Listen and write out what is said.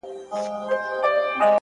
په ورځ کي لس وارې له خپلې حافظې وځم!